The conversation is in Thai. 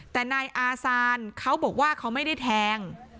แต่นายอาซานเขาบอกว่าเขาไม่ได้แทง